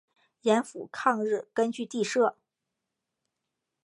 盐阜抗日根据地设。